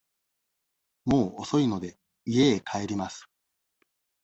もう遅いので、家へ帰ります。